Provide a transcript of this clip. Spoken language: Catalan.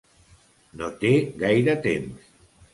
No té gaire temps.